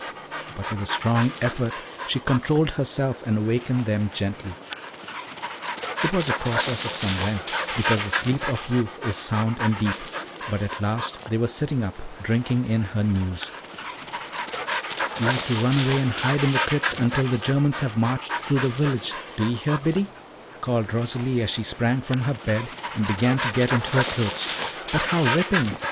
But with a strong effort she controlled herself and awakened them gently. It was a process of some length, because the sleep of youth is sound and deep, but at last they were sitting up, drinking in her news. "We have to run away and hide in the crypt until the Germans have marched through the village. Do you hear, Biddy?" called Rosalie, as she sprang from her bed and began to get into her clothes. "But how ripping!